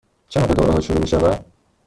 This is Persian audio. چه موقع دوره ها شروع می شود؟